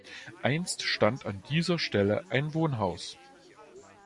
Einst stand an dieser Stelle ein Wohnhaus.